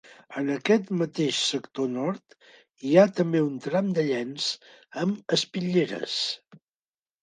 En aquest mateix sector nord hi ha també un tram de llenç amb espitlleres.